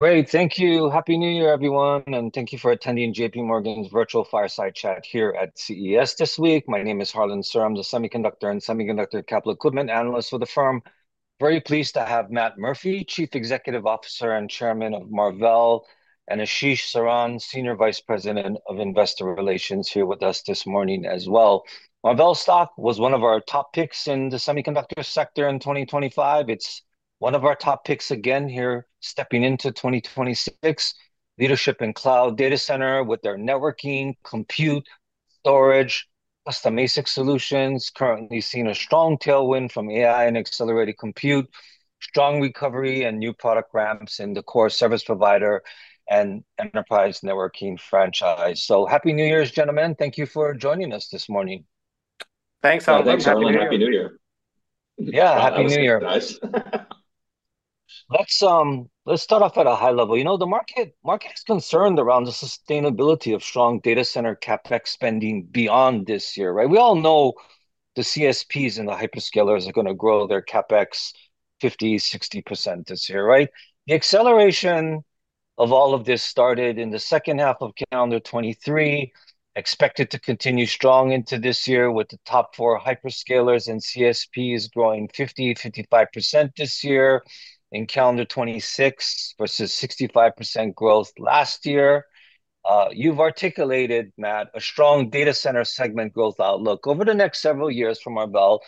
Great. Thank you. Happy New Year, everyone, and thank you for attending JPMorgan's Virtual Fireside Chat here at CES this week. My name is Harlan Sur. I'm the semiconductor and semiconductor capital equipment analyst for the firm. Very pleased to have Matt Murphy, Chief Executive Officer and Chairman of Marvell, and Ashish Saran, Senior Vice President of Investor Relations, here with us this morning as well. Marvell stock was one of our top picks in the semiconductor sector in 2025. It's one of our top picks again here stepping into 2026. Leadership in cloud data center with their networking, compute, storage, custom ASIC solutions, currently seeing a strong tailwind from AI and accelerated compute, strong recovery, and new product ramps in the core service provider and enterprise networking franchise. So, Happy New Year, gentlemen. Thank you for joining us this morning. Thanks, Harlan. Happy New Year. Yeah, happy New Year. Nice. Let's start off at a high level. You know, the market is concerned around the sustainability of strong data center CapEx spending beyond this year, right? We all know the CSPs and the hyperscalers are going to grow their CapEx 50%, 60% this year, right? The acceleration of all of this started in the second half of calendar 2023, expected to continue strong into this year with the top four hyperscalers and CSPs growing 50%, 55% this year in calendar 2026 versus 65% growth last year. You've articulated, Matt, a strong data center segment growth outlook over the next several years for Marvell,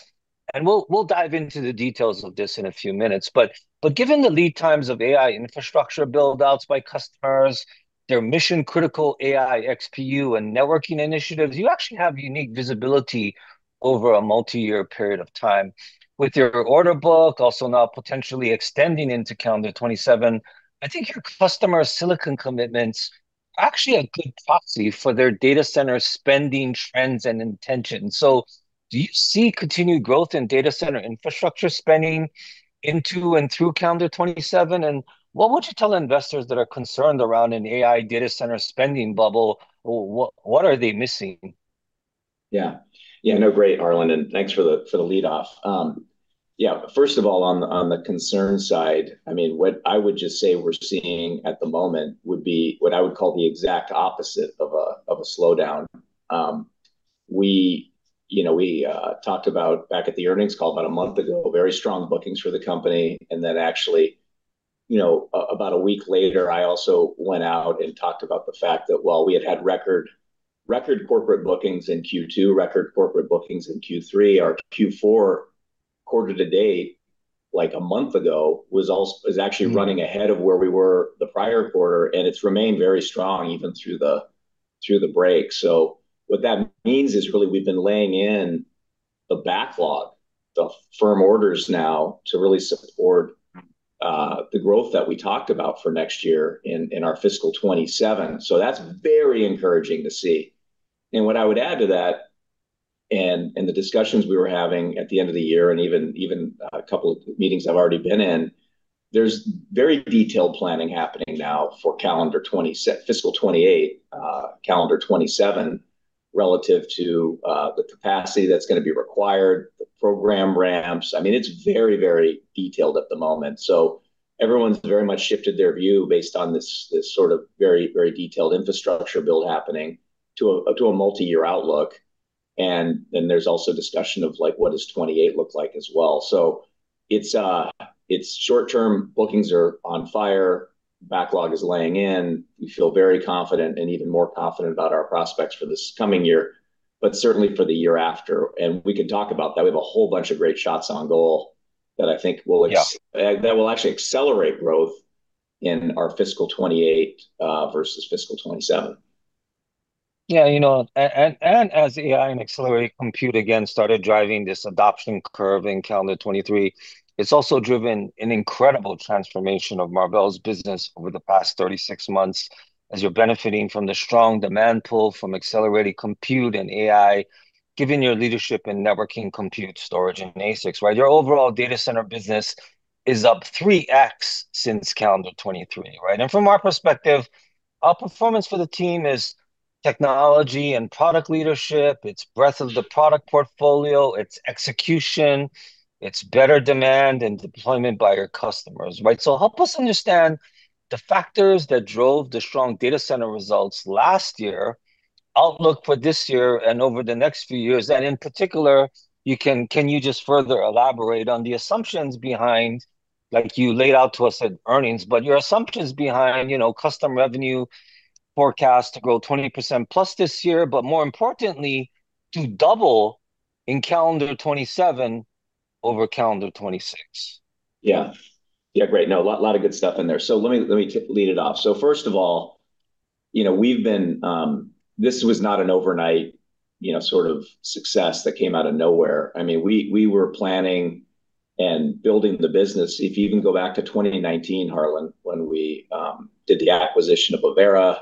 and we'll dive into the details of this in a few minutes. But given the lead times of AI infrastructure buildouts by customers, their mission-critical AI, XPU, and networking initiatives, you actually have unique visibility over a multi-year period of time with your order book also now potentially extending into calendar 2027. I think your customer silicon commitments are actually a good proxy for their data center spending trends and intentions. So do you see continued growth in data center infrastructure spending into and through calendar 2027? And what would you tell investors that are concerned around an AI data center spending bubble? What are they missing? Yeah, no, great, Harlan, and thanks for the lead-off. Yeah, first of all, on the concern side, I mean, what I would just say we're seeing at the moment would be what I would call the exact opposite of a slowdown. We talked about back at the earnings call about a month ago, very strong bookings for the company, and then actually, you know, about a week later, I also went out and talked about the fact that, well, we had had record corporate bookings in Q2, record corporate bookings in Q3. Our Q4 quarter-to-date, like a month ago, was actually running ahead of where we were the prior quarter, and it's remained very strong even through the break. What that means is really we've been laying in the backlog, the firm orders now to really support the growth that we talked about for next year in our fiscal 2027. So that's very encouraging to see. And what I would add to that and the discussions we were having at the end of the year and even a couple of meetings I've already been in, there's very detailed planning happening now for calendar 2026, fiscal 2028, calendar 2027 relative to the capacity that's going to be required, the program ramps. I mean, it's very, very detailed at the moment. So everyone's very much shifted their view based on this sort of very, very detailed infrastructure build happening to a multi-year outlook. And then there's also discussion of what does 2028 look like as well. So it's short-term bookings are on fire. Backlog is laying in. We feel very confident and even more confident about our prospects for this coming year, but certainly for the year after. And we can talk about that. We have a whole bunch of great shots on goal that I think will actually accelerate growth in our fiscal 2028 versus fiscal 2027. Yeah, you know, and as AI and accelerated compute again started driving this adoption curve in calendar 2023, it's also driven an incredible transformation of Marvell's business over the past 36 months as you're benefiting from the strong demand pull from accelerated compute and AI, given your leadership in networking, compute, storage, and ASICs, right? Your overall data center business is up 3x since calendar 2023, right? And from our perspective, our performance for the team is technology and product leadership. It's breadth of the product portfolio. It's execution. It's better demand and deployment by your customers, right? So help us understand the factors that drove the strong data center results last year, outlook for this year, and over the next few years. In particular, can you just further elaborate on the assumptions behind, like you laid out to us at earnings, but your assumptions behind customer revenue forecast to grow +20% this year, but more importantly, to double in calendar 2027 over calendar 2026? Yeah, great. No, a lot of good stuff in there. So let me lead it off. So first of all, you know, we've been. This was not an overnight sort of success that came out of nowhere. I mean, we were planning and building the business. If you even go back to 2019, Harlan, when we did the acquisition of Aquantia,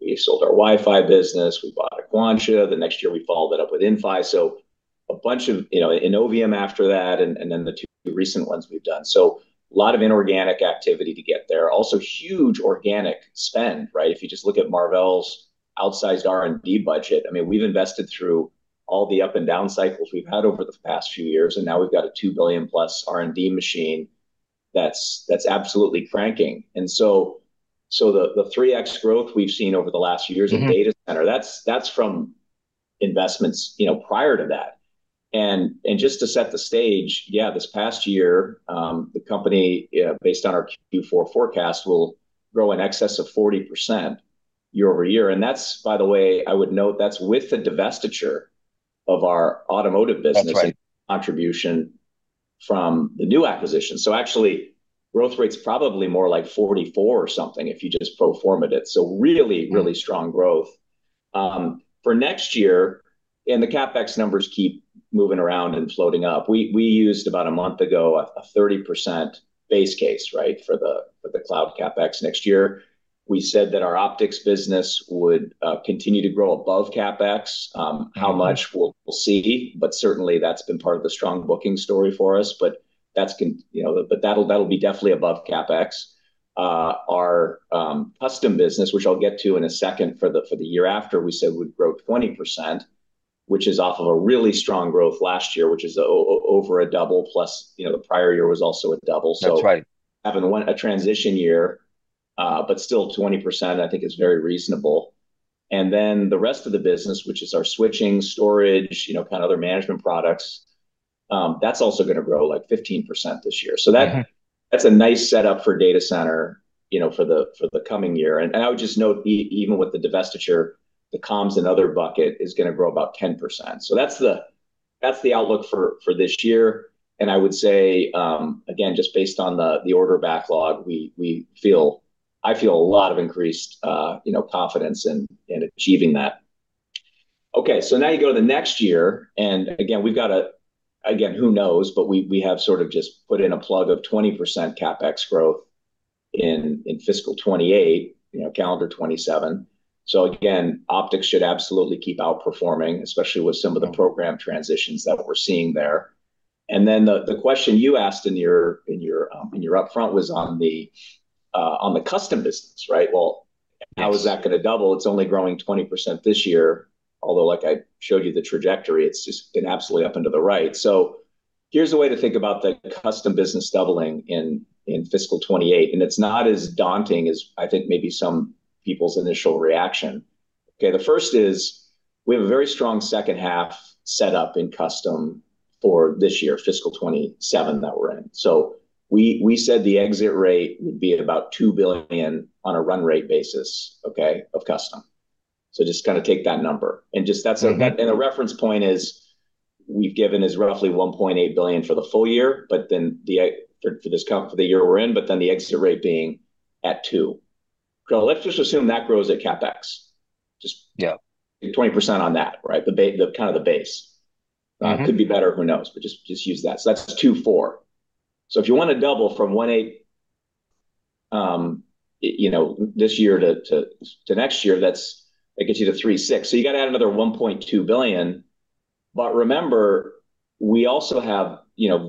we sold our Wi-Fi business. We bought Aquantia. The next year, we followed it up with Inphi. So a bunch of, you know, Innovium after that, and then the two recent ones we've done. So a lot of inorganic activity to get there. Also huge organic spend, right? If you just look at Marvell's outsized R&D budget, I mean, we've invested through all the up and down cycles we've had over the past few years, and now we've got a $2 billion-plus R&D machine that's absolutely cranking. And so the 3x growth we've seen over the last few years in data center, that's from investments prior to that. And just to set the stage, yeah, this past year, the company, based on our Q4 forecast, will grow in excess of 40% year over year. And that's, by the way, I would note that's with the divestiture of our automotive business contribution from the new acquisition. So actually, growth rate's probably more like 44% or something if you just pro forma it. So really, really strong growth. For next year, and the CapEx numbers keep moving around and floating up. We used about a month ago a 30% base case, right, for the cloud CapEx next year. We said that our optics business would continue to grow above CapEx. How much we'll see, but certainly that's been part of the strong booking story for us, but that'll be definitely above CapEx. Our custom business, which I'll get to in a second for the year after, we said we'd grow 20%, which is off of a really strong growth last year, which is over a double plus, you know, the prior year was also a double, so having a transition year, but still 20%, I think is very reasonable, and then the rest of the business, which is our switching, storage, kind of other management products, that's also going to grow like 15% this year, so that's a nice setup for data center for the coming year. And I would just note even with the divestiture, the comms and other bucket is going to grow about 10%. So that's the outlook for this year. And I would say, again, just based on the order backlog, I feel a lot of increased confidence in achieving that. Okay, so now you go to the next year. And again, we've got, again, who knows, but we have sort of just put in a plug of 20% CapEx growth in fiscal 2028, calendar 2027. So again, optics should absolutely keep outperforming, especially with some of the program transitions that we're seeing there. And then the question you asked in your upfront was on the custom business, right? Well, how is that going to double? It's only growing 20% this year, although like I showed you the trajectory, it's just been absolutely up and to the right. Here's a way to think about the custom business doubling in fiscal 2028. And it's not as daunting as I think maybe some people's initial reaction. Okay, the first is we have a very strong second half setup in custom for this year, fiscal 2027 that we're in. Ee said the exit rate would be about $2 billion on a run rate basis, okay, of custom. So just kind of take that number. And just that's a reference point is we've given is roughly $1.8 billion for the full year, but then for the year we're in, the exit rate being at $2 billion. Let's just assume that grows at CapEx. Just 20% on that, right? The kind of the base. It could be better, who knows, but just use that. So that's $2.4 billion. So if you want to double from $1.8 billion this year to next year, that gets you to $3.6 billion. So you got to add another $1.2 billion. But remember, we also have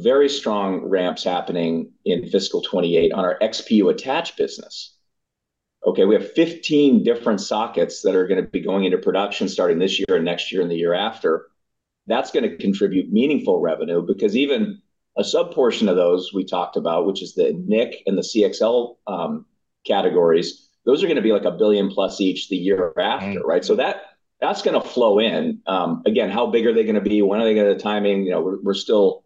very strong ramps happening in fiscal 2028 on our XPU attached business. Okay, we have 15 different sockets that are going to be going into production starting this year and next year and the year after. That's going to contribute meaningful revenue because even a subportion of those we talked about, which is the NIC and the CXL categories, those are going to be like a billion plus each the year after, right? So that's going to flow in. Again, how big are they going to be? When are they going to be timing? We're still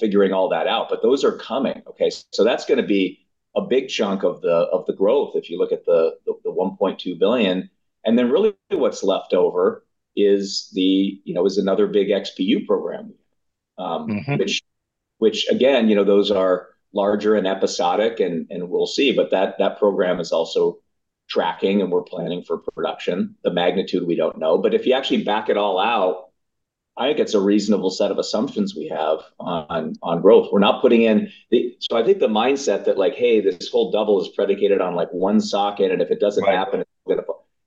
figuring all that out, but those are coming. Okay, so that's going to be a big chunk of the growth if you look at the $1.2 billion, and then really what's left over is another big XPU program, which again, those are larger and episodic and we'll see, but that program is also tracking and we're planning for production. The magnitude we don't know, but if you actually back it all out, I think it's a reasonable set of assumptions we have on growth. We're not putting in, so I think the mindset that like, hey, this whole double is predicated on like one socket and if it doesn't happen,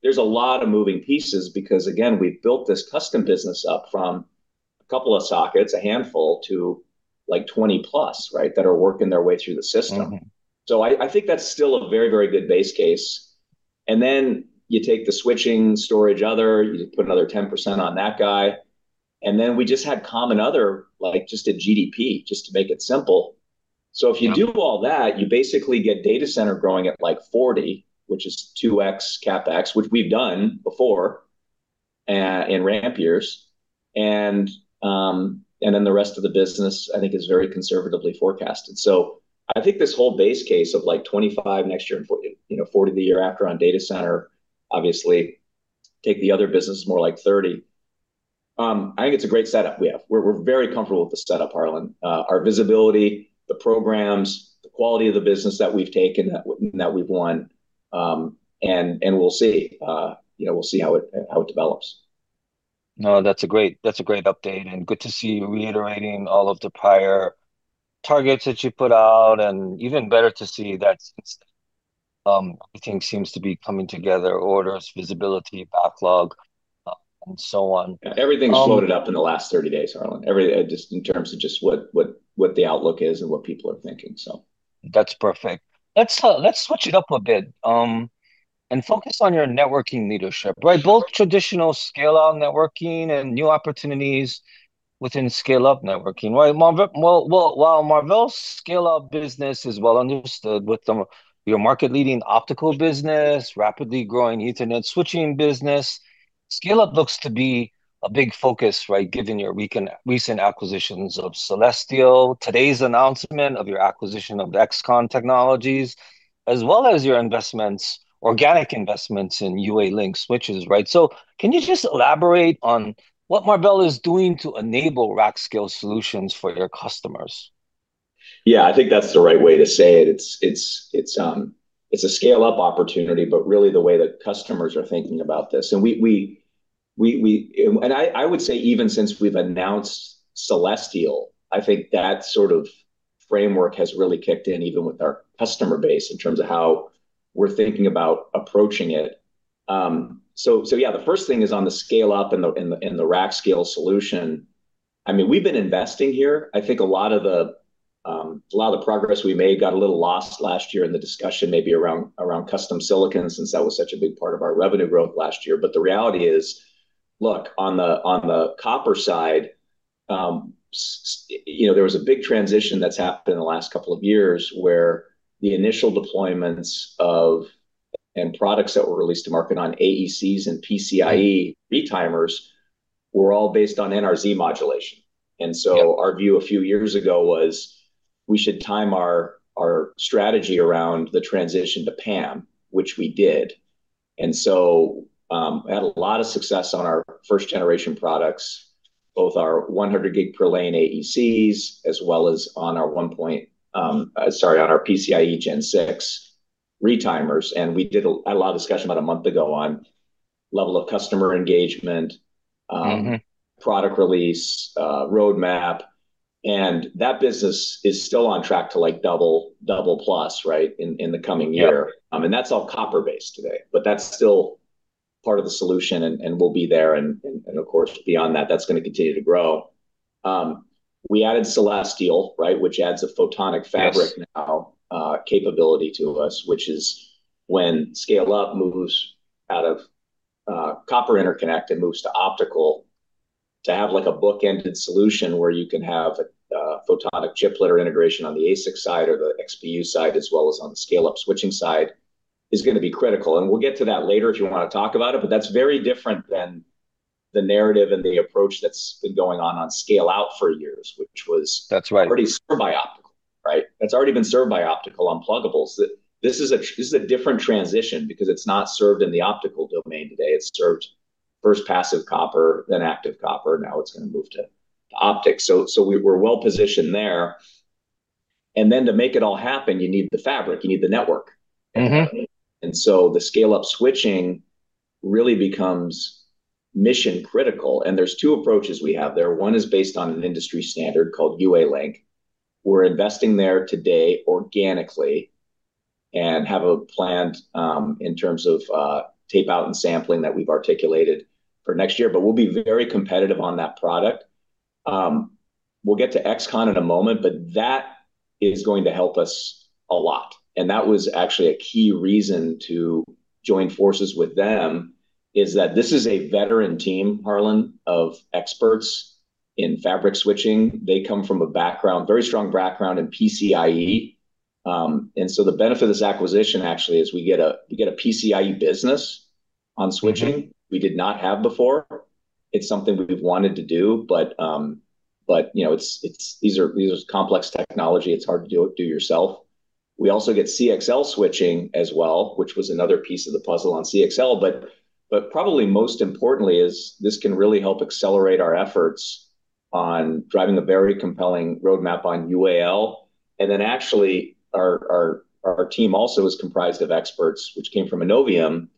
there's a lot of moving pieces because again, we've built this custom business up from a couple of sockets, a handful to like +20%, right, that are working their way through the system, so I think that's still a very, very good base case. And then you take the switching, storage, other. You put another 10% on that guy. And then we just had common other, like just a GDP, just to make it simple. So if you do all that, you basically get data center growing at like 40%, which is 2x CapEx, which we've done before in ramp years. And then the rest of the business, I think, is very conservatively forecasted. I think this whole base case of like 25% next year and 40% the year after on data center. Obviously, take the other business more like 30%. I think it's a great setup we have. We're very comfortable with the setup, Harlan. Our visibility, the programs, the quality of the business that we've taken that we've won. And we'll see. We'll see how it develops. No, that's a great update and good to see you reiterating all of the prior targets that you put out and even better to see that I think seems to be coming together, orders, visibility, backlog, and so on. Yeah, everything's loaded up in the last 30 days, Harlan, just in terms of just what the outlook is and what people are thinking, so. That's perfect. Let's switch it up a bit and focus on your networking leadership, right? Both traditional scale-out networking and new opportunities within scale-up networking, right? While Marvell's scale-up business is well understood with your market-leading optical business, rapidly growing Ethernet switching business, scale-up looks to be a big focus, right, given your recent acquisitions of Celestial, today's announcement of your acquisition of XConn Technologies, as well as your organic investments in UALink switches, right? So can you just elaborate on what Marvell is doing to enable rack scale solutions for your customers? Yeah, I think that's the right way to say it. It's a scale-up opportunity, but really the way that customers are thinking about this, and I would say even since we've announced Celestial, I think that sort of framework has really kicked in even with our customer base in terms of how we're thinking about approaching it. So yeah, the first thing is on the scale-up and the rack scale solution. I mean, we've been investing here. I think a lot of the progress we made got a little lost last year in the discussion maybe around custom silicons since that was such a big part of our revenue growth last year. But the reality is, look, on the copper side, there was a big transition that's happened in the last couple of years where the initial deployments of, and products that were released to market on AECs and PCIe retimers were all based on NRZ modulation. And so our view a few years ago was we should time our strategy around the transition to PAM, which we did. And so we had a lot of success on our first-generation products, both our 100 gig per lane AECs as well as on our 1.0, sorry, on our PCIe Gen 6 retimers. And we did a lot of discussion about a month ago on level of customer engagement, product release, roadmap. And that business is still on track to like double plus, right, in the coming year. And that's all copper-based today, but that's still part of the solution and will be there. Of course, beyond that, that's going to continue to grow. We added Celestial, right, which adds a photonic fabric now capability to us, which is when scale-up moves out of copper interconnect and moves to optical to have like a bookended solution where you can have a photonic chiplet integration on the ASIC side or the XPU side as well as on the scale-up switching side is going to be critical. We'll get to that later if you want to talk about it, but that's very different than the narrative and the approach that's been going on scale-out for years, which was already served by optical, right? That's already been served by optical on pluggables. This is a different transition because it's not served in the optical domain today. It's served first passive copper, then active copper. Now it's going to move to optics. We're well positioned there. And then to make it all happen, you need the fabric, you need the network. And so the scale-up switching really becomes mission critical. And there's two approaches we have there. One is based on an industry standard called UALink. We're investing there today organically and have a plan in terms of tape out and sampling that we've articulated for next year, but we'll be very competitive on that product. We'll get to XConn in a moment, but that is going to help us a lot. And that was actually a key reason to join forces with them is that this is a veteran team, Harlan, of experts in fabric switching. They come from a very strong background in PCIe. And so the benefit of this acquisition actually is we get a PCIe business on switching we did not have before. It's something we've wanted to do, but these are complex technology. It's hard to do it yourself. We also get CXL switching as well, which was another piece of the puzzle on CXL. But probably most importantly is this can really help accelerate our efforts on driving a very compelling roadmap on UAL. And then actually our team also is comprised of experts, which came from Innovium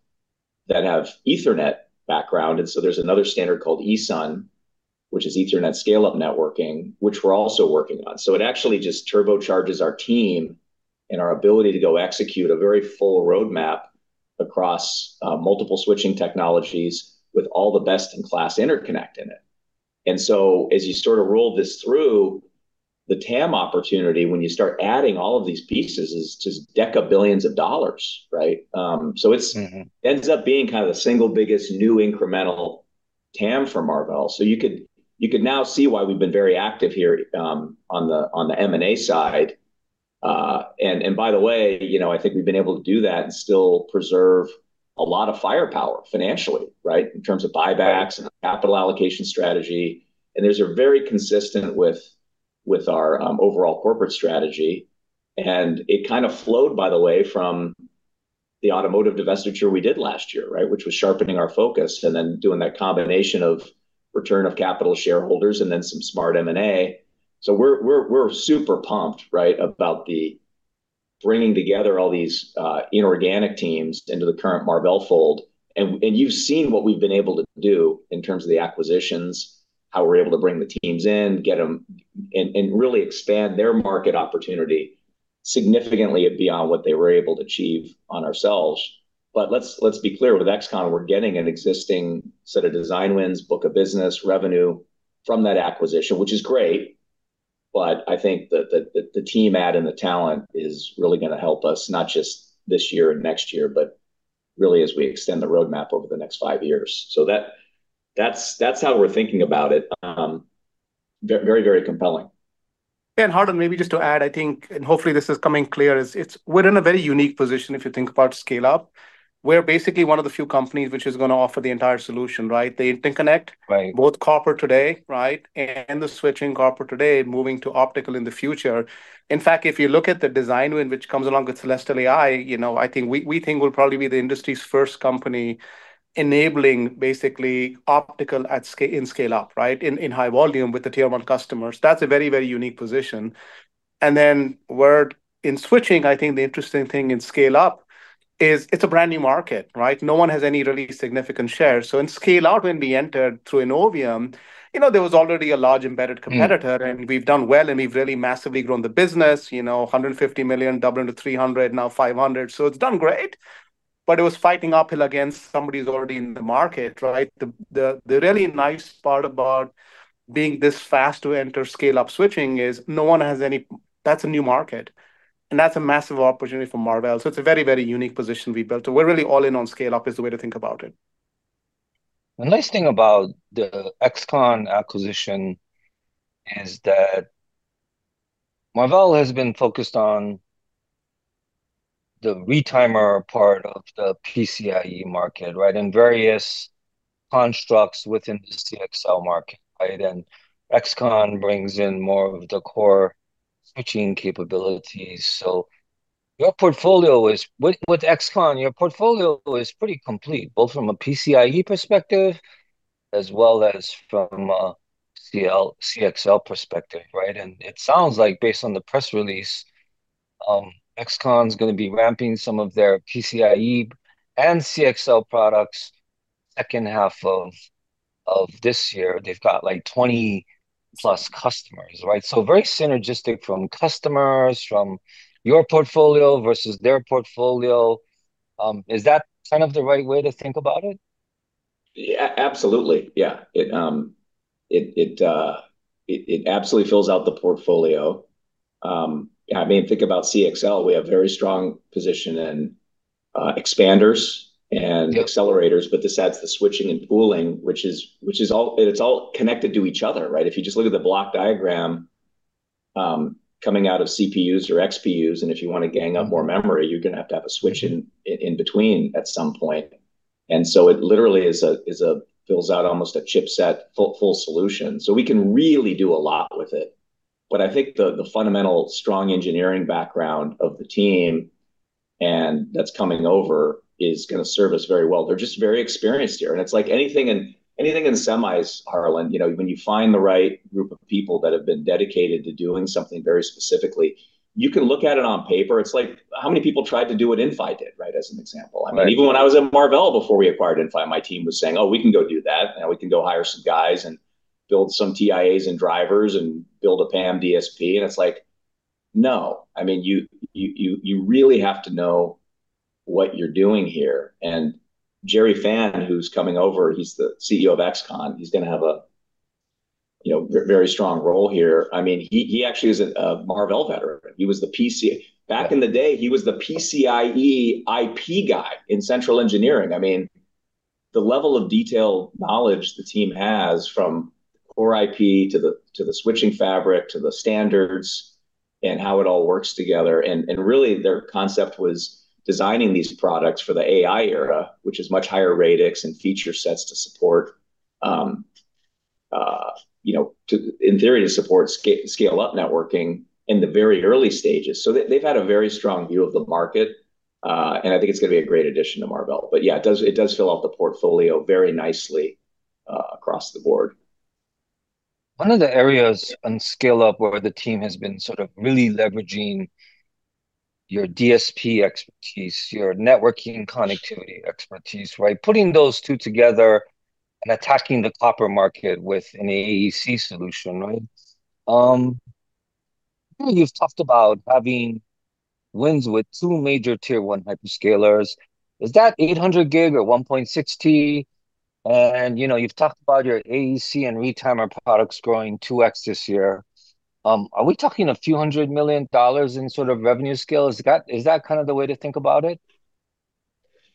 that have Ethernet background. And so there's another standard called ESUN, which is Ethernet scale-up networking, which we're also working on. So it actually just turbocharges our team and our ability to go execute a very full roadmap across multiple switching technologies with all the best in class interconnect in it. And so as you sort of roll this through, the TAM opportunity when you start adding all of these pieces is just deca billions of dollars, right? So it ends up being kind of the single biggest new incremental TAM for Marvell. So you could now see why we've been very active here on the M&A side. And by the way, I think we've been able to do that and still preserve a lot of firepower financially, right, in terms of buybacks and capital allocation strategy. And that's very consistent with our overall corporate strategy. And it kind of flowed, by the way, from the automotive divestiture we did last year, right, which was sharpening our focus and then doing that combination of return of capital to shareholders and then some smart M&A. We're super pumped, right, about bringing together all these inorganic teams into the current Marvell fold. You've seen what we've been able to do in terms of the acquisitions, how we're able to bring the teams in, get them and really expand their market opportunity significantly beyond what they were able to achieve on their own. Let's be clear with XConn. We're getting an existing set of design wins, book of business revenue from that acquisition, which is great. I think that the team and the talent is really going to help us not just this year and next year, but really as we extend the roadmap over the next five years. That's how we're thinking about it. Very, very compelling. And Harlan, maybe just to add, I think, and hopefully this is coming clear, we're in a very unique position if you think about scale-up. We're basically one of the few companies which is going to offer the entire solution, right? The interconnect, both copper today, right, and the switching copper today moving to optical in the future. In fact, if you look at the design win, which comes along with Celestial AI, I think we think we'll probably be the industry's first company enabling basically optical in scale-up, right, in high volume with the tier one customers. That's a very, very unique position. And then we're in switching, I think the interesting thing in scale-up is it's a brand new market, right? No one has any really significant shares. So in scale-out when we entered through Innovium, there was already a large embedded competitor and we've done well and we've really massively grown the business, $150 million, doubling to $300 million, now $500 million. So it's done great, but it was fighting uphill against somebody who's already in the market, right? The really nice part about being this fast to enter scale-up switching is no one has any, that's a new market. And that's a massive opportunity for Marvell. So it's a very, very unique position we built. We're really all in on scale-up is the way to think about it. The nice thing about the XConn acquisition is that Marvell has been focused on the retimer part of the PCIe market, right, and various constructs within the CXL market, right? And XConn brings in more of the core switching capabilities. So your portfolio is with XConn, your portfolio is pretty complete, both from a PCIe perspective as well as from a CXL perspective, right? And it sounds like based on the press release, XConn is going to be ramping some of their PCIe and CXL products second half of this year. They've got like +20 customers, right? So very synergistic from customers, from your portfolio versus their portfolio. Is that kind of the right way to think about it? Yeah, absolutely. Yeah. It absolutely fills out the portfolio. I mean, think about CXL. We have a very strong position in expanders and accelerators, but this adds the switching and pooling, which is all connected to each other, right? If you just look at the block diagram coming out of CPUs or XPUs, and if you want to gang up more memory, you're going to have to have a switch in between at some point. And so it literally fills out almost a chipset full solution. We can really do a lot with it. But I think the fundamental strong engineering background of the team and that's coming over is going to serve us very well. They're just very experienced here. And it's like anything in semis, Harlan, when you find the right group of people that have been dedicated to doing something very specifically, you can look at it on paper. It's like how many people tried to do what Inphi did, right, as an example. I mean, even when I was at Marvell before we acquired Inphi, my team was saying, "Oh, we can go do that. We can go hire some guys and build some TIAs and drivers and build a PAM DSP." And it's like, "No." I mean, you really have to know what you're doing here. And Jerry Fan, who's coming over, he's the CEO of XConn. He's going to have a very strong role here. I mean, he actually is a Marvell veteran. He was the PCIe back in the day, he was the PCIe IP guy in central engineering. I mean, the level of detailed knowledge the team has from core IP to the switching fabric to the standards and how it all works together. And really their concept was designing these products for the AI era, which is much higher radix and feature sets to support, in theory, to support scale-up networking in the very early stages. So they've had a very strong view of the market. And I think it's going to be a great addition to Marvell. But yeah, it does fill out the portfolio very nicely across the board. One of the areas on scale-up where the team has been sort of really leveraging your DSP expertise, your networking connectivity expertise, right, putting those two together and attacking the copper market with an AEC solution, right? You've talked about having wins with two major tier one hyperscalers. Is that 800 gig or 1.6T? And you've talked about your AEC and retimer products growing 2x this year. Are we talking a few hundred million dollars in sort of revenue scale? Is that kind of the way to think about it?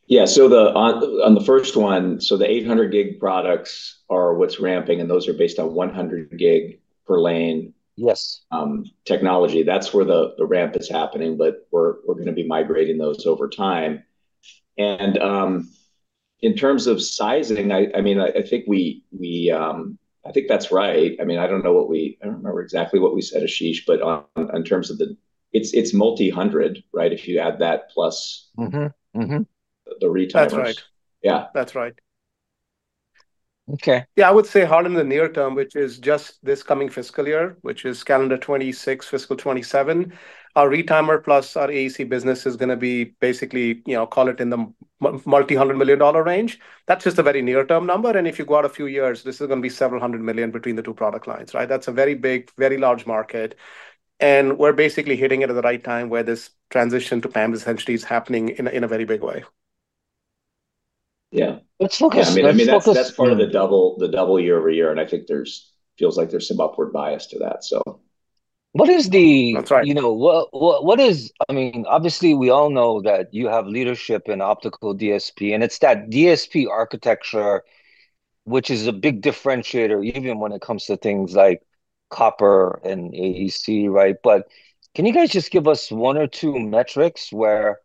Yeah. On the first one, so the 800 gig products are what's ramping, and those are based on 100 gig per lane technology. That's where the ramp is happening, but we're going to be migrating those over time. And in terms of sizing, I mean, I think that's right. I mean, I don't remember exactly what we said to Ashish, but in terms of the it's multi-hundred, right? If you add that plus the retimers. That's right. Yeah. That's right. Okay. Yeah, I would say Harlan, in the near term, which is just this coming fiscal year, which is calendar 2026, fiscal 2027, our retimer plus our AEC business is going to be basically, call it in the multi-hundred-million-dollar range. That's just a very near-term number, and if you go out a few years, this is going to be several hundred million between the two product lines, right? That's a very big, very large market, and we're basically hitting it at the right time where this transition to PAM is actually happening in a very big way. Yeah. I mean, that's part of the double year over year. I think there feels like there's some upward bias to that, so. What is the-- That's right. What is, -- I mean, obviously we all know that you have leadership in optical DSP, and it's that DSP architecture, which is a big differentiator even when it comes to things like copper and AEC, right? But can you guys just give us one or two metrics where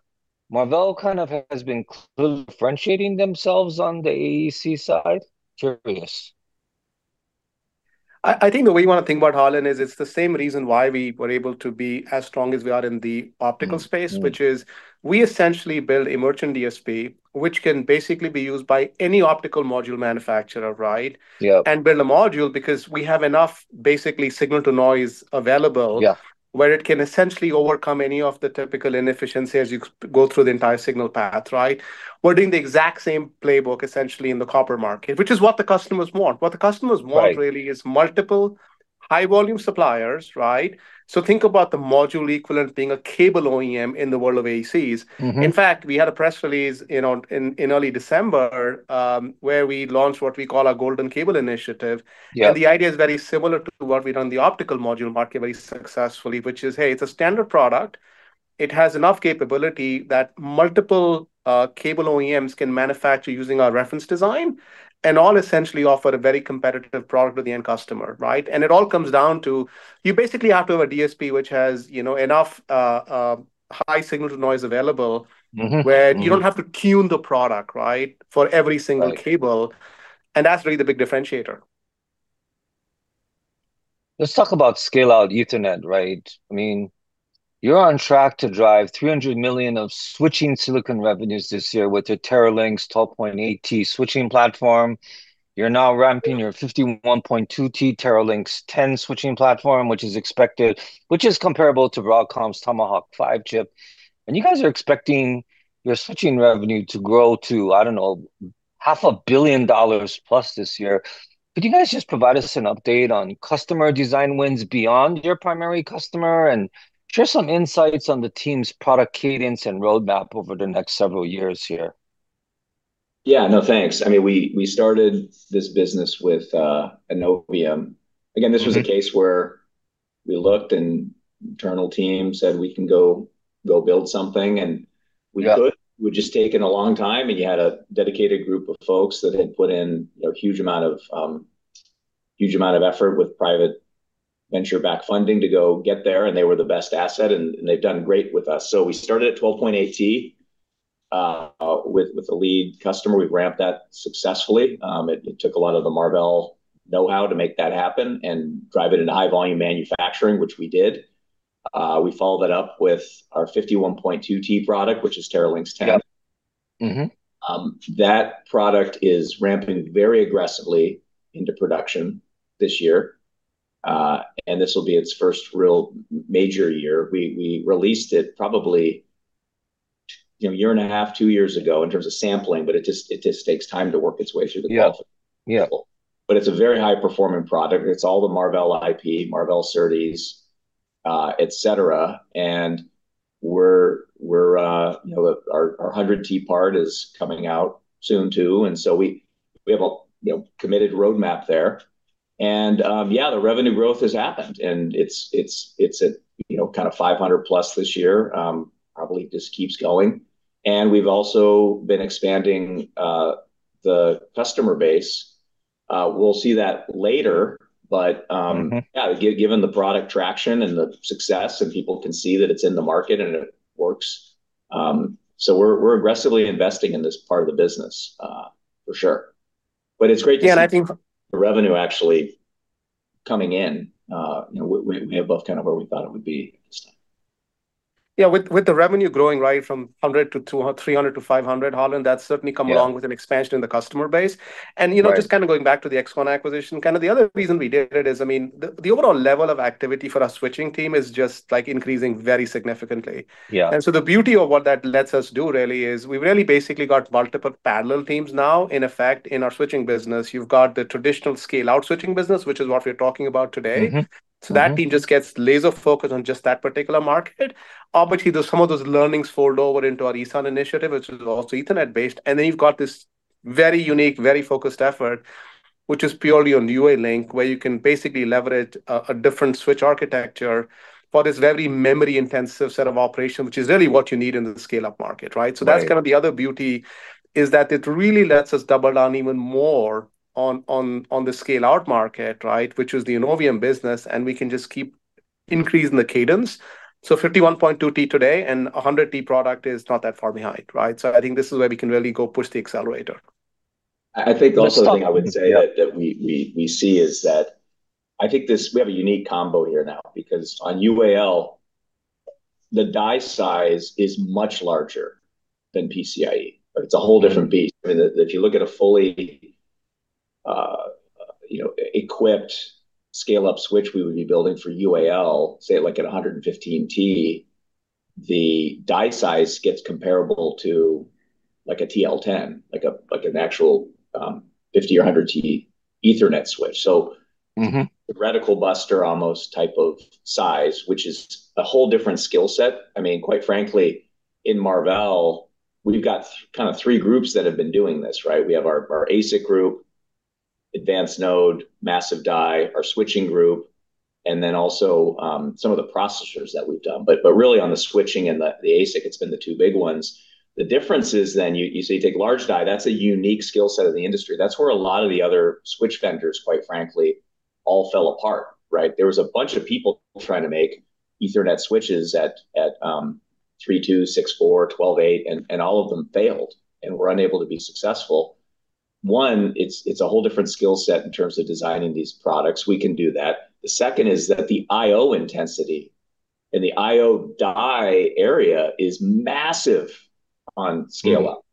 Marvell kind of has been differentiating themselves on the AEC side? Just curious. I think the way you want to think about, Harlan, is it's the same reason why we were able to be as strong as we are in the optical space, which is we essentially build embedded DSP, which can basically be used by any optical module manufacturer, right? And build a module because we have enough basically signal to noise available where it can essentially overcome any of the typical inefficiencies as you go through the entire signal path, right? We're doing the exact same playbook, essentially, in the copper market, which is what the customers want. What the customers want really is multiple high-volume suppliers, right? So think about the module equivalent being a cable OEM in the world of AECs. In fact, we had a press release in early December where we launched what we call our Golden Cable Initiative. The idea is very similar to what we run the optical module market very successfully, which is, hey, it's a standard product. It has enough capability that multiple cable OEMs can manufacture using our reference design and all essentially offer a very competitive product to the end customer, right? It all comes down to you basically have to have a DSP which has enough high signal-to-noise available where you don't have to tune the product, right, for every single cable. That's really the big differentiator. Let's talk about scale-out Ethernet, right? I mean, you're on track to drive $300 million of switching silicon revenues this year with the Teralynx 12.8T switching platform. You're now ramping your 51.2T Teralynx 10 switching platform, which is expected, which is comparable to Broadcom's Tomahawk 5 chip. And you guys are expecting your switching revenue to grow to, I don't know, $500 million plus this year. Could you guys just provide us an update on customer design wins beyond your primary customer and share some insights on the team's product cadence and roadmap over the next several years here? Yeah. No, thanks. I mean, we started this business with Innovium. Again, this was a case where we looked and internal team said, "We can go build something." And we could. It would just have taken a long time. And you had a dedicated group of folks that had put in a huge amount of effort with private venture-backed funding to go get there. And they were the best asset. And they've done great with us. We started at 12.8T with a lead customer. We've ramped that successfully. It took a lot of the Marvell know-how to make that happen and drive it into high-volume manufacturing, which we did. We followed that up with our 51.2T product, which is Teralynx 10. That product is ramping very aggressively into production this year. And this will be its first real major year. We released it probably a year and a half, two years ago in terms of sampling, but it just takes time to work its way through the culture, but it's a very high-performing product. It's all the Marvell IP, Marvell Certies, etc., and our 100T part is coming out soon too, and so we have a committed roadmap there, and yeah, the revenue growth has happened, and it's at kind of $500 million plus this year. Probably just keeps going, and we've also been expanding the customer base. We'll see that later, but yeah, given the product traction and the success and people can see that it's in the market and it works, so we're aggressively investing in this part of the business, for sure, but it's great to see the revenue actually coming in. We have both kind of where we thought it would be at this time. Yeah. With the revenue growing, right, from $100 million to $300 million to $500 million, Harlan, that's certainly come along with an expansion in the customer base. And just kind of going back to the XConn acquisition, kind of the other reason we did it is, I mean, the overall level of activity for our switching team is just increasing very significantly. And so the beauty of what that lets us do really is we've really basically got multiple parallel teams now. In effect, in our switching business, you've got the traditional scale-out switching business, which is what we're talking about today. So that team just gets laser focused on just that particular market. Obviously, some of those learnings fold over into our ESUN initiative, which is also Ethernet-based. And then you've got this very unique, very focused effort, which is purely on UALink, where you can basically leverage a different switch architecture for this very memory-intensive set of operations, which is really what you need in the scale-up market, right? So that's kind of the other beauty is that it really lets us double down even more on the scale-out market, right, which is the Innovium business. And we can just keep increasing the cadence. So 51.2T today and 100T product is not that far behind, right? So I think this is where we can really go push the accelerator. I think the other thing I would say that we see is that I think we have a unique combo here now because on UAL, the die size is much larger than PCIe. It's a whole different beast. I mean, if you look at a fully equipped scale-up switch we would be building for UAL, say like at 115T, the die size gets comparable to like a TL10, like an actual 50 or 100T Ethernet switch. So the reticle buster almost type of size, which is a whole different skill set. I mean, quite frankly, in Marvell, we've got kind of three groups that have been doing this, right? We have our ASIC group, advanced node, massive die, our switching group, and then also some of the processors that we've done. But really on the switching and the ASIC, it's been the two big ones. The difference is then you say you take large die, that's a unique skill set of the industry. That's where a lot of the other switch vendors, quite frankly, all fell apart, right? There was a bunch of people trying to make Ethernet switches at 3, 2, 6, 4, 12, 8, and all of them failed and were unable to be successful. One, it's a whole different skill set in terms of designing these products. We can do that. The second is that the I/O intensity in the I/O die area is massive on scale-up.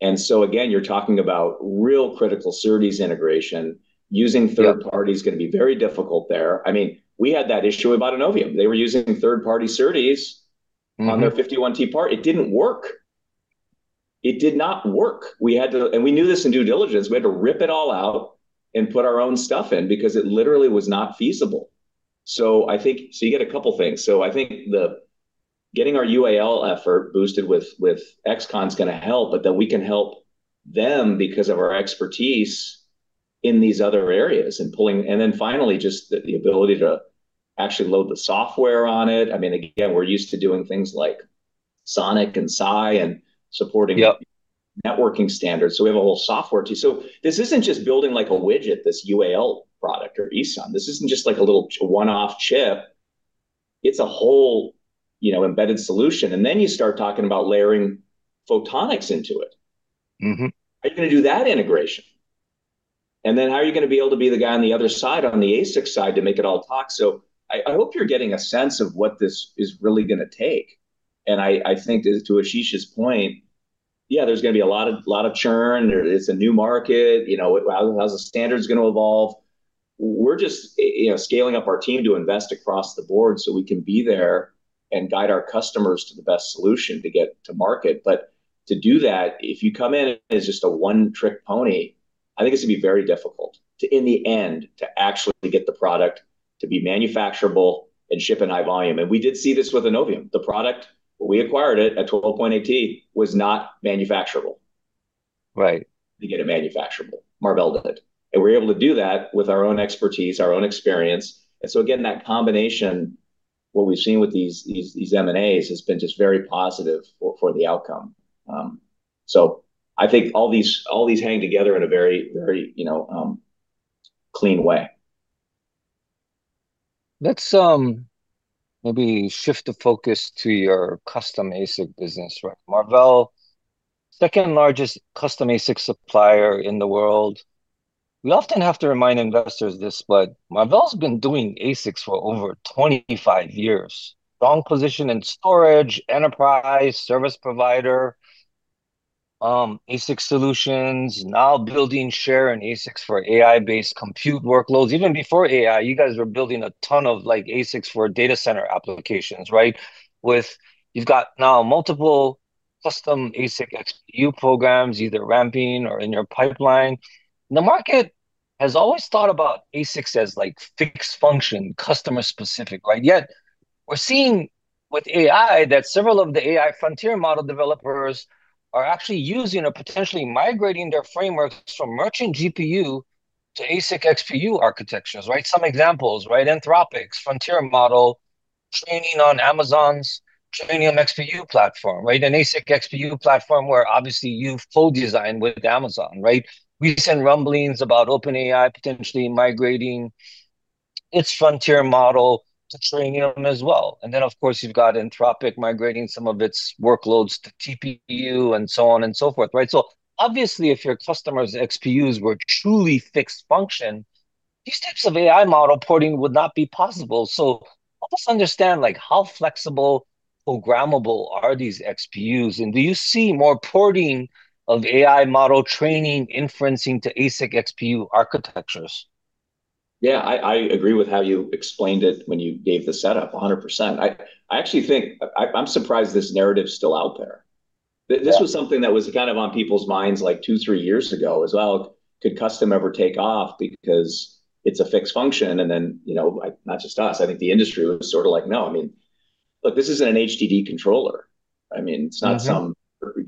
And so again, you're talking about real critical SerDes integration. Using third party is going to be very difficult there. I mean, we had that issue with Innovium. They were using third party SerDes on their 51T part. It didn't work. It did not work, and we knew this in due diligence. We had to rip it all out and put our own stuff in because it literally was not feasible, I think you get a couple of things, so I think getting our UAL effort boosted with XConn is going to help, but then we can help them because of our expertise in these other areas and pulling, and then finally, just the ability to actually load the software on it. I mean, again, we're used to doing things like SONiC and SAI and supporting networking standards, so we have a whole software team, so this isn't just building like a widget, this UAL product or ESUN. This isn't just like a one-off chip. It's a whole embedded solution, and then you start talking about layering photonics into it. How are you going to do that integration? And then how are you going to be able to be the guy on the other side on the ASIC side to make it all talk? I hope you're getting a sense of what this is really going to take. And I think to Ashish's point, yeah, there's going to be a lot of churn. It's a new market. How's the standards going to evolve? We're just scaling up our team to invest across the board so we can be there and guide our customers to the best solution to get to market. But to do that, if you come in as just a one-trick pony, I think it's going to be very difficult in the end to actually get the product to be manufacturable and ship in high volume. And we did see this with Innovium. The product we acquired at 12.8T was not manufacturable. We get it manufacturable. Marvell did it, and we're able to do that with our own expertise, our own experience, and so again, that combination, what we've seen with these M&As, has been just very positive for the outcome, I think all these hang together in a very clean way. Let's maybe shift the focus to your custom ASIC business, right? Marvell, second largest custom ASIC supplier in the world. We often have to remind investors this, but Marvell has been doing ASICs for over 25 years. Strong position in storage, enterprise, service provider, ASIC solutions, now building share in ASICs for AI-based compute workloads. Even before AI, you guys were building a ton of ASICs for data center applications, right? You've got now multiple custom ASIC XPU programs, either ramping or in your pipeline. The market has always thought about ASICs as fixed function, customer-specific, right? Yet we're seeing with AI that several of the AI frontier model developers are actually using or potentially migrating their frameworks from merchant GPU to ASIC XPU architectures, right? Some examples, right? Anthropic, frontier model, training on Amazon's Trainium XPU platform, right? An ASIC XPU platform where obviously you've co-designed with Amazon, right? We've seen rumblings about OpenAI potentially migrating its frontier model to Trainium as well. And then, of course, you've got Anthropic migrating some of its workloads to TPU and so on and so forth, right? So obviously, if your customer's XPUs were truly fixed function, these types of AI model porting would not be possible. So help us understand how flexible, programmable are these XPUs? And do you see more porting of AI model training inferencing to ASIC XPU architectures? Yeah, I agree with how you explained it when you gave the setup 100%. I actually think I'm surprised this narrative is still out there. This was something that was kind of on people's minds like two, three years ago, as well, could custom ever take off because it's a fixed function? And then not just us, I think the industry was sort of like, no, I mean, look, this isn't an HDD controller. I mean, it's not some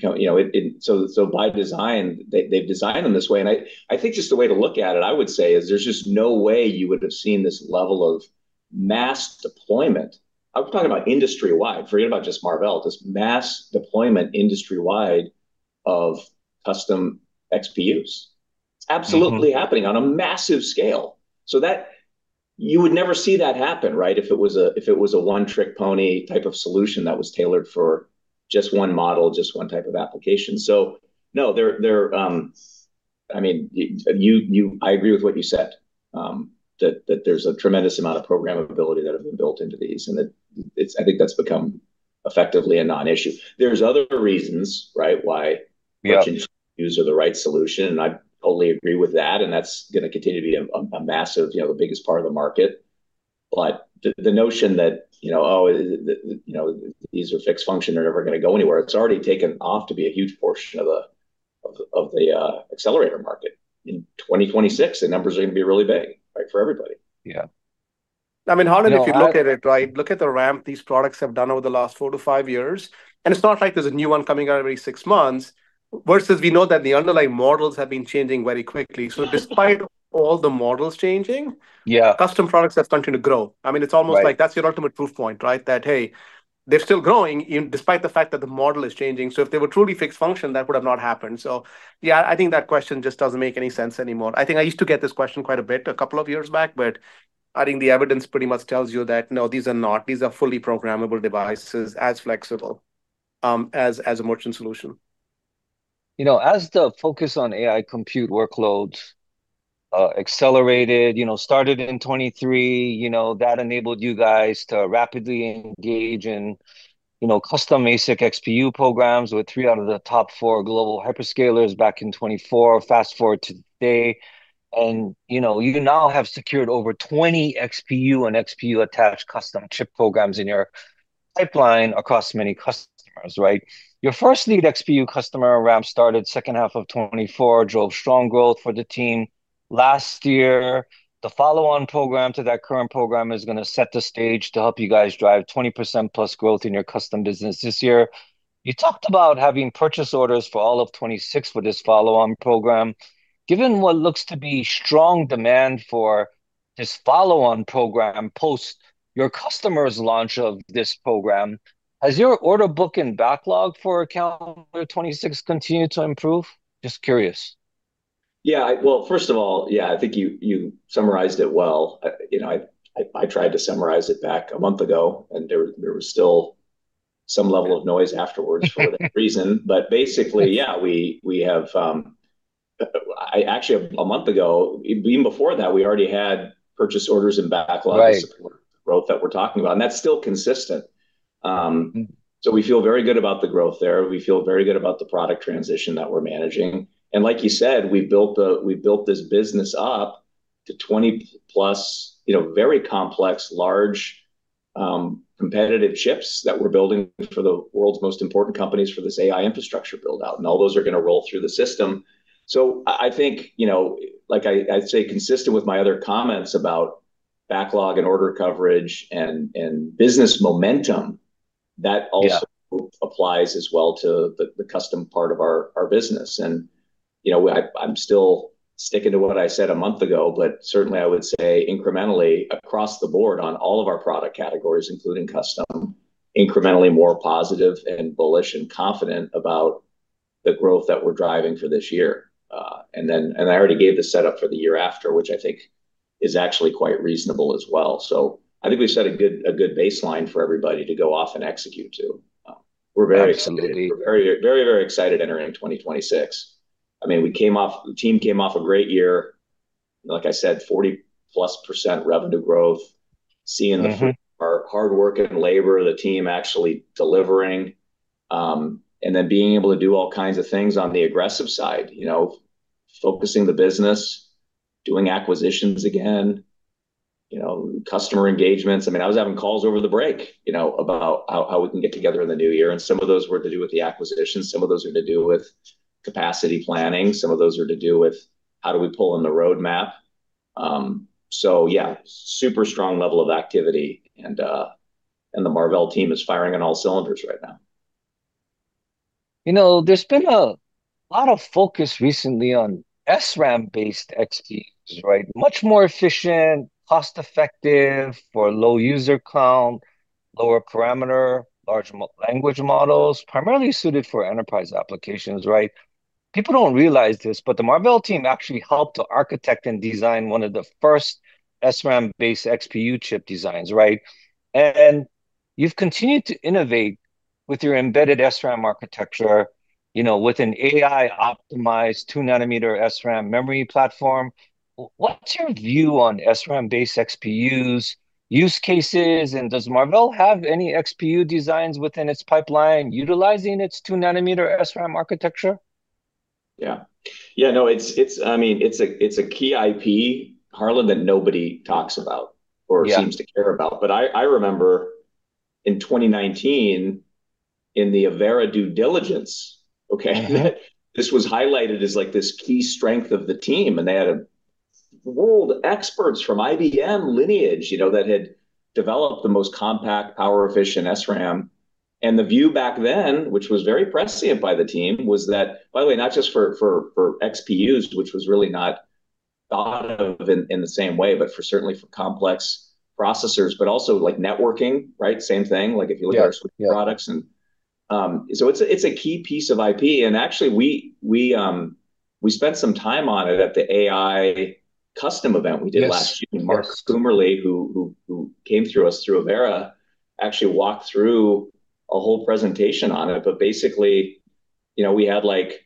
so by design, they've designed them this way. And I think just the way to look at it, I would say, is there's just no way you would have seen this level of mass deployment. I was talking about industry-wide. Forget about just Marvell. Just mass deployment industry-wide of custom XPUs. It's absolutely happening on a massive scale. You would never see that happen, right, if it was a one-trick pony type of solution that was tailored for just one model, just one type of application. So no, I mean, I agree with what you said, that there's a tremendous amount of programmability that has been built into these and that I think that's become effectively a non-issue. There's other reasons, right, why merchant XPUs are the right solution. And I totally agree with that. And that's going to continue to be a massive, the biggest part of the market. But the notion that, oh, these are fixed function, they're never going to go anywhere, it's already taken off to be a huge portion of the accelerator market. In 2026, the numbers are going to be really big, right, for everybody. Yeah. I mean, Harlan, if you look at it, right, look at the ramp these products have done over the last four to five years. And it's not like there's a new one coming out every six months versus we know that the underlying models have been changing very quickly. So despite all the models changing, custom products have continued to grow. I mean, it's almost like that's your ultimate proof point, right, that, hey, they're still growing despite the fact that the model is changing. So if they were truly fixed function, that would have not happened. So yeah, I think that question just doesn't make any sense anymore. I think I used to get this question quite a bit a couple of years back, but I think the evidence pretty much tells you that no, these are not. These are fully programmable devices as flexible as a merchant solution. As the focus on AI compute workloads accelerated, started in 2023, that enabled you guys to rapidly engage in custom ASIC XPU programs with three out of the top four global hyperscalers back in 2024. Fast forward to today. And you now have secured over 20 XPU and XPU attached custom chip programs in your pipeline across many customers, right? Your first lead XPU customer ramp started second half of 2024, drove strong growth for the team. Last year, the follow-on program to that current program is going to set the stage to help you guys drive +20% growth in your custom business this year. You talked about having purchase orders for all of 2026 for this follow-on program. Given what looks to be strong demand for this follow-on program post your customer's launch of this program, has your order book and backlog for 2026 continued to improve? Just curious. Yeah. Well, first of all, yeah, I think you summarized it well. I tried to summarize it back a month ago, and there was still some level of noise afterwards for that reason. But basically, yeah, I actually have a month ago, even before that, we already had purchase orders and backlog support growth that we're talking about. And that's still consistent. We feel very good about the growth there. We feel very good about the product transition that we're managing. And like you said, we built this business up to +20% very complex, large competitive chips that we're building for the world's most important companies for this AI infrastructure buildout. And all those are going to roll through the system. I think, like I say, consistent with my other comments about backlog and order coverage and business momentum, that also applies as well to the custom part of our business. And I'm still sticking to what I said a month ago, but certainly I would say incrementally across the board on all of our product categories, including custom, incrementally more positive and bullish and confident about the growth that we're driving for this year. And I already gave the setup for the year after, which I think is actually quite reasonable as well. I think we set a good baseline for everybody to go off and execute to. We're very excited to be very, very excited entering 2026. I mean, the team came off a great year. Like I said, +40% revenue growth, seeing the hard work and labor of the team actually delivering, and then being able to do all kinds of things on the aggressive side, focusing the business, doing acquisitions again, customer engagements. I mean, I was having calls over the break about how we can get together in the new year. And some of those were to do with the acquisitions. Some of those were to do with capacity planning. Some of those were to do with how do we pull in the roadmap. So yeah, super strong level of activity. And the Marvell team is firing on all cylinders right now. There's been a lot of focus recently on SRAM-based XPUs, right? Much more efficient, cost-effective for low user count, lower parameter, large language models, primarily suited for enterprise applications, right? People don't realize this, but the Marvell team actually helped to architect and design one of the first SRAM-based XPU chip designs, right? And you've continued to innovate with your embedded SRAM architecture with an AI-optimized 2-nanometer SRAM memory platform. What's your view on SRAM-based XPUs use cases? And does Marvell have any XPU designs within its pipeline utilizing its 2-nanometer SRAM architecture? Yeah. No, I mean, it's a key IP, Harlan, that nobody talks about or seems to care about. But I remember in 2019, in the Aquantia due diligence, okay, that this was highlighted as this key strength of the team. And they had a world of experts from IBM lineage that had developed the most compact, power-efficient SRAM. And the view back then, which was very prescient by the team, was that, by the way, not just for XPUs, which was really not thought of in the same way, but certainly for complex processors, but also networking, right? Same thing. If you look at our Switch products. And so it's a key piece of IP. And actually, we spent some time on it at the AI custom event we did last year. Mark Kuemerle, who came through us through Aquantia, actually walked through a whole presentation on it. But basically, we had like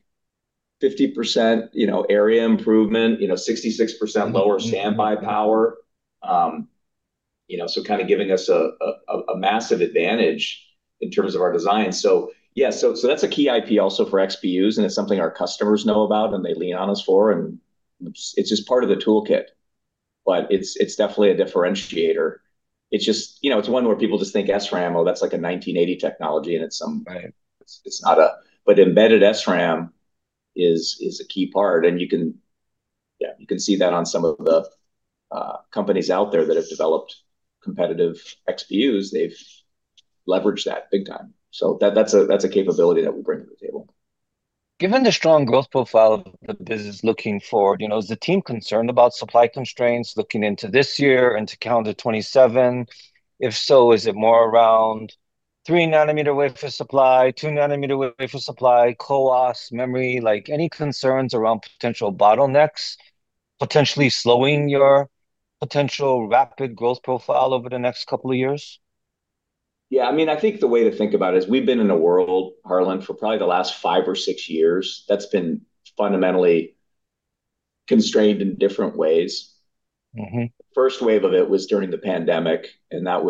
50% area improvement, 66% lower standby power, so kind of giving us a massive advantage in terms of our design. Yeah, that's a key IP also for XPUs. It's something our customers know about and they lean on us for. It's just part of the toolkit. But it's definitely a differentiator. It's one where people just think SRAM, oh, that's like a 1980 technology. It's not a. Embedded SRAM is a key part. Yeah, you can see that on some of the companies out there that have developed competitive XPUs. They've leveraged that big time. That's a capability that we bring to the table. Given the strong growth profile that the business is looking for, is the team concerned about supply constraints looking into this year, into calendar 2027? If so, is it more around 3-nanometer wafer supply, 2-nanometer wafer supply, CoWoS memory? Any concerns around potential bottlenecks, potentially slowing your potential rapid growth profile over the next couple of years? Yeah. I mean, I think the way to think about it is we've been in a world, Harlan, for probably the last five or six years that's been fundamentally constrained in different ways. The first wave of it was during the pandemic. And that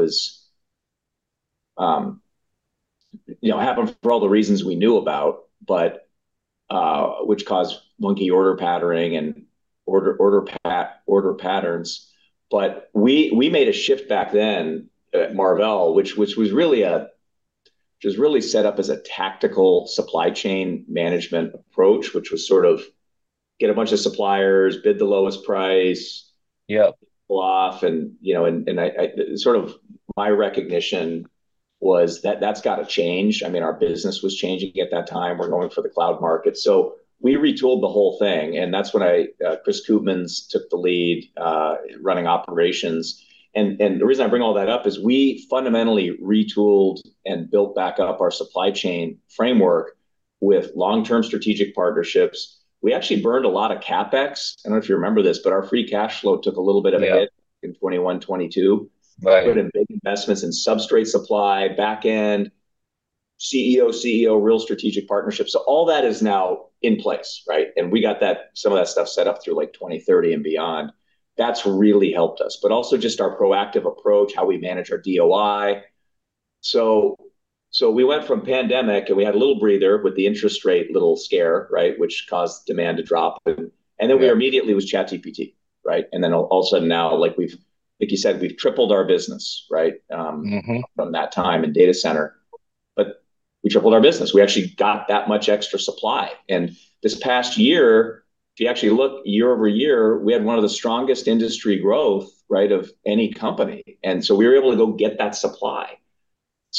happened for all the reasons we knew about, which caused manic order patterning and order patterns. But we made a shift back then at Marvell, which was really set up as a tactical supply chain management approach, which was sort of get a bunch of suppliers, bid the lowest price, bluff. And sort of my recognition was that that's got to change. I mean, our business was changing at that time. We're going for the cloud market. So we retooled the whole thing. And that's when Chris Koopmans took the lead running operations. The reason I bring all that up is we fundamentally retooled and built back up our supply chain framework with long-term strategic partnerships. We actually burned a lot of CapEx. I don't know if you remember this, but our free cash flow took a little bit of a hit in 2021, 2022. We put in big investments in substrate supply, backend, CoWoS, real strategic partnerships. So all that is now in place, right? And we got some of that stuff set up through like 2030 and beyond. That's really helped us. But also just our proactive approach, how we manage our DOI. So we went from pandemic, and we had a little breather with the interest rate little scare, right, which caused demand to drop. And then we immediately was ChatGPT, right? All of a sudden now, like you said, we've tripled our business, right, from that time in data center. We tripled our business. We actually got that much extra supply. This past year, if you actually look year over year, we had one of the strongest industry growth, right, of any company. We were able to go get that supply.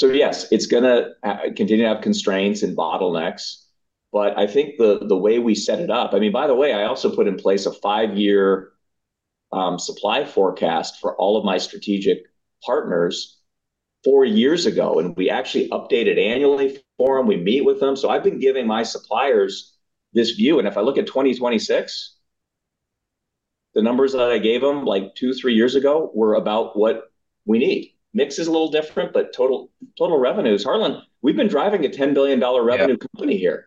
Yes, it's going to continue to have constraints and bottlenecks. I think the way we set it up, I mean, by the way, I also put in place a five-year supply forecast for all of my strategic partners four years ago. We actually update it annually for them. We meet with them. I've been giving my suppliers this view. And if I look at 2026, the numbers that I gave them like two, three years ago were about what we need. Mix is a little different, but total revenues, Harlan, we've been driving a $10 billion revenue company here.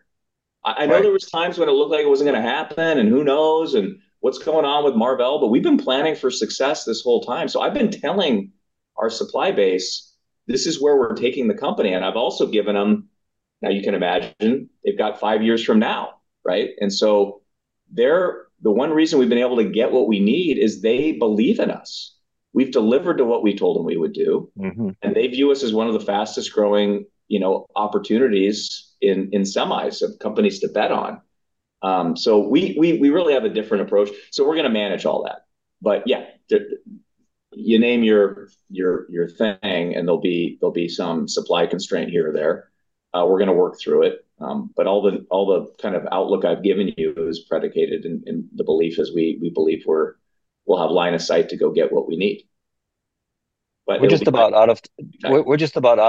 I know there were times when it looked like it wasn't going to happen and who knows and what's going on with Marvell, but we've been planning for success this whole time. I've been telling our supply base, this is where we're taking the company. And I've also given them, now you can imagine, they've got five years from now, right? And so the one reason we've been able to get what we need is they believe in us. We've delivered to what we told them we would do. And they view us as one of the fastest growing opportunities in semis of companies to bet on. We really have a different approach. We're going to manage all that. But yeah, you name your thing, and there'll be some supply constraint here or there. We're going to work through it. But all the kind of outlook I've given you is predicated in the belief as we believe we'll have line of sight to go get what we need. We're just about out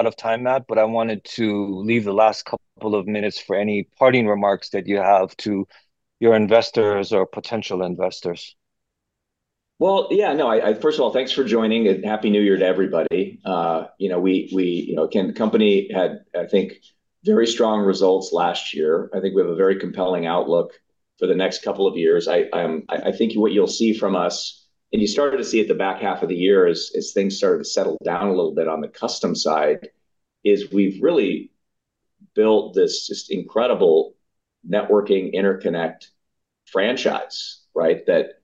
of time, Matt, but I wanted to leave the last couple of minutes for any parting remarks that you have to your investors or potential investors. Well, yeah. No, first of all, thanks for joining. And happy New Year to everybody. Again, the company had, I think, very strong results last year. I think we have a very compelling outlook for the next couple of years. I think what you'll see from us, and you started to see it the back half of the year as things started to settle down a little bit on the custom side, is we've really built this just incredible networking interconnect franchise, right, that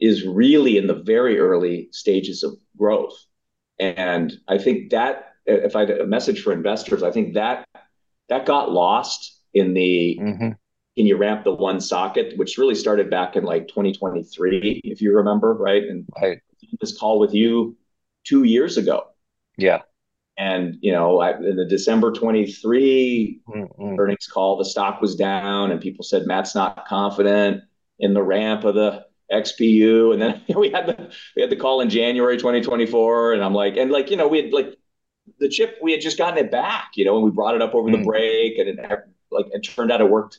is really in the very early stages of growth. And I think that if I had a message for investors, I think that got lost in the, can you ramp the one socket, which really started back in like 2023, if you remember, right? And I had this call with you two years ago. And in the December 2023 earnings call, the stock was down, and people said, Matt's not confident in the ramp of the XPU. And then we had the call in January 2024, and I'm like, and we had the chip, we had just gotten it back. And we brought it up over the break, and it turned out it worked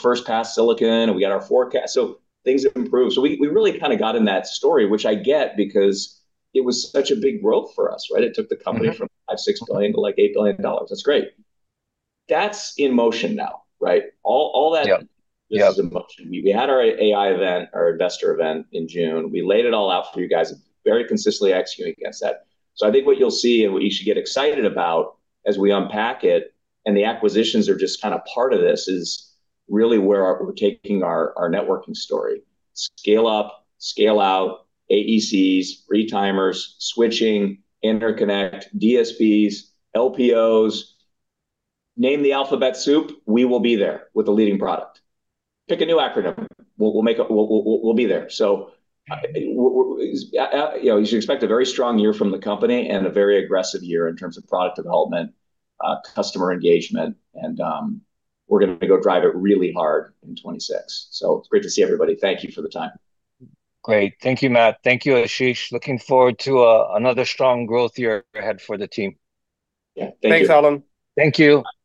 first-pass silicon, and we got our forecast. So things have improved. We really kind of got in that story, which I get because it was such a big growth for us, right? It took the company from $5 billion-$6 billion to like $8 billion. That's great. That's in motion now, right? All that is in motion. We had our AI event, our investor event in June. We laid it all out for you guys, very consistently executing against that. I think what you'll see and what you should get excited about as we unpack it, and the acquisitions are just kind of part of this, is really where we're taking our networking story. Scale up, scale out, AECs, retimers, switching, interconnect, DSPs, LPOs. Name the alphabet soup, we will be there with the leading product. Pick a new acronym. We'll be there. So you should expect a very strong year from the company and a very aggressive year in terms of product development, customer engagement. And we're going to go drive it really hard in 2026. So it's great to see everybody. Thank you for the time. Great. Thank you, Matt. Thank you, Ashish. Looking forward to another strong growth year ahead for the team. Yeah. Thank you. Thanks, Harlan. Thank you. Okay.